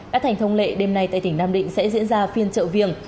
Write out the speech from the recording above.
đã thành thông lệ đêm nay tại tỉnh nam định sẽ diễn ra phiên trợ viềng